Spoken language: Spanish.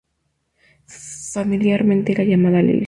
Familiarmente, era llamada "Lili".